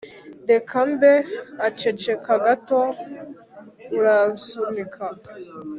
'reka mbe!' aceceka gato. '' 'uransunika,